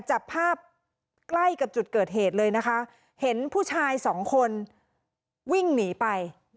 จับภาพใกล้กับจุดเกิดเหตุเลยนะคะเห็นผู้ชายสองคนวิ่งหนีไป